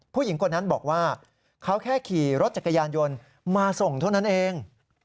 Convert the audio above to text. ผู้หญิงคนนั้นบอกว่าเขาแค่ขี่รถจักรยานยนต์มาส่งเท่านั้นเอง